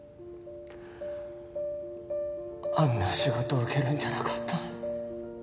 あんな仕事受けるんじゃなかった。